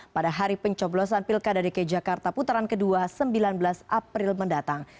pada hari pencoblosan pilkada dki jakarta putaran kedua sembilan belas april mendatang